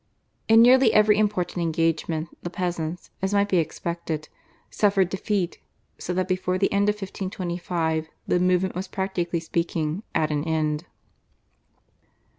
In nearly every important engagement the peasants, as might be expected, suffered defeat, so that before the end of 1525 the movement was, practically speaking, at an end.